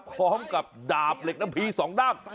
คล้องกับดาบเหล็กน้ำผีสองด้ำ